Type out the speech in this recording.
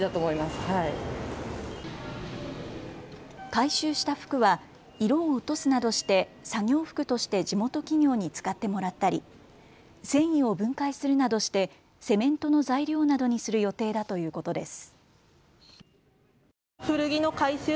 回収した服は色を落とすなどして作業服として地元企業に使ってもらったり繊維を分解するなどしてセメントの材料などにする予定だということです。